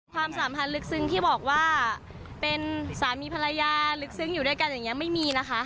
ความสัมพันธ์ลึกซึ้งที่บอกว่าเป็นสามีภรรยาลึกซึ้งอยู่ด้วยกันอย่างนี้ไม่มีนะคะ